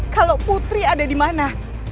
kalau putri ada dimana